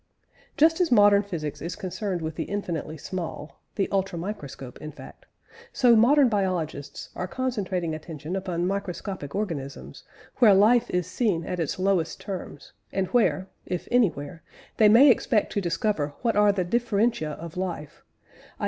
Just as modern physics is concerned with the infinitely small the ultra microscopic, in fact so modern biologists are concentrating attention upon microscopic organisms, where life is seen at its lowest terms, and where (if anywhere) they may expect to discover what are the differentia of life, i.